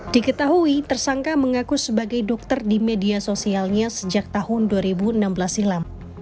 diketahui tersangka mengaku sebagai dokter di media sosialnya sejak tahun dua ribu enam belas silam